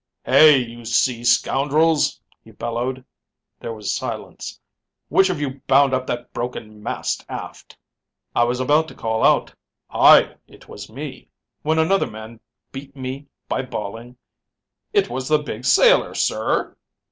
'Hey, you sea scoundrels,' he bellowed. There was silence. 'Which of you bound up that broken mast aft?' "I was about to call out, 'Aye, it was me,' when another man beat me by bawling, 'It was the Big Sailor, sir!'